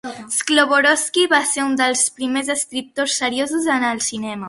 Shklovsky va ser un dels primers escriptors seriosos en el cinema.